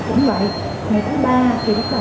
nhưng mà mình dùng tay mình ban cái kéo đỏ đó nốt đỏ đó ra